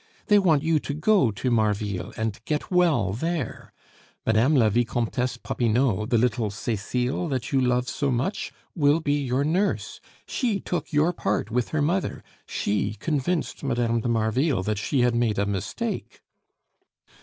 They want you to go to Marville and get well there. Mme. la Vicomtesse Popinot, the little Cecile that you love so much, will be your nurse. She took your part with her mother. She convinced Mme. de Marville that she had made a mistake."